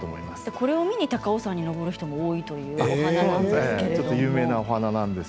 これを見に高尾山に登る人も多いというお花です。